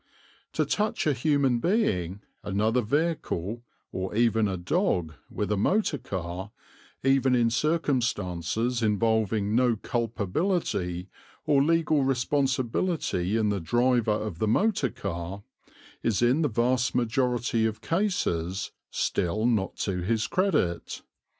To touch a human being, another vehicle, or even a dog, with a motor car, even in circumstances involving no culpability or legal responsibility in the driver of the motor car, is in the vast majority of cases still not to his credit.